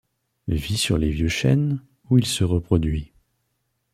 Vit sur les vieux chênes, où il se reproduit.